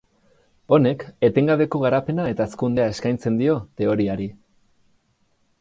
Honek etengabeko garapena eta hazkundea eskaintzen dio teoriari.